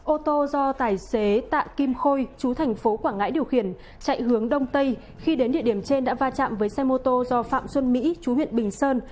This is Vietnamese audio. ô tô do tài xế tạ kim khôi chú thành phố quảng ngãi điều khiển chạy hướng đông tây khi đến địa điểm trên đã va chạm với xe mô tô do phạm xuân mỹ chú huyện bình sơn